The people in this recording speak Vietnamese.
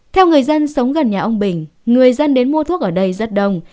theo người dân sống gần nhà ông bình người dân đến mua thuốc ở đây rất đông